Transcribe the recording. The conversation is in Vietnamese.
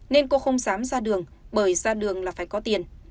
nên cô không dám ra đường bởi ra đường là phải có tiền